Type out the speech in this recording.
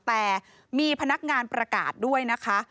แต่มีพนักงานประกาศด้วยนะคะ